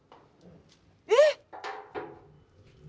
えっ！？